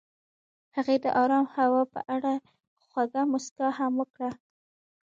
هغې د آرام هوا په اړه خوږه موسکا هم وکړه.